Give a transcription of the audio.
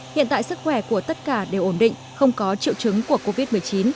hiện tại sức khỏe của tất cả đều ổn định không có triệu chứng của covid một mươi chín